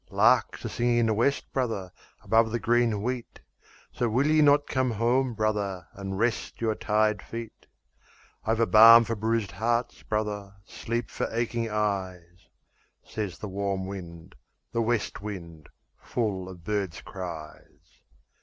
"Larks are singing in the west, brother, above the green wheat, So will ye not come home, brother, and rest your tired feet? I've a balm for bruised hearts, brother, sleep for aching eyes," Says the warm wind, the west wind, full of birds' cries.